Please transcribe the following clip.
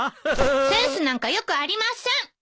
センスなんかよくありません！